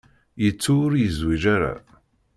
Yettu ur yezwiǧ ara.